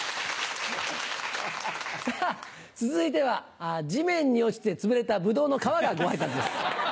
さぁ続いては地面に落ちてつぶれたブドウの皮がご挨拶です。